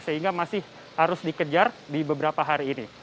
sehingga masih harus dikejar di beban beban